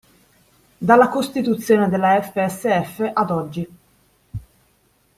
Dalla costituzione della FSF ad oggi.